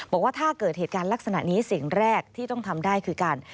บอกว่าถ้าเกิดเหตุการณ์ลักษณะนี้สิ่งแรกที่ต้องทำได้คือการ